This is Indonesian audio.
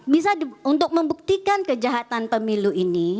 bisa untuk membuktikan kejahatan pemilu ini